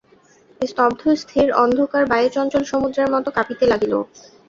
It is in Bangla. স্তব্ধ স্থির অন্ধকার বায়ুচঞ্চল সমুদ্রের মতো কাঁপিতে লাগিল।